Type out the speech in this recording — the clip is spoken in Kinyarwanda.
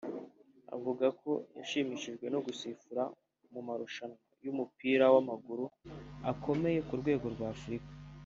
Avuga ko yashimishijwe no gusifura mu marushanwa y’umupira w’amaguru akomeye ku rwego rw’Afurika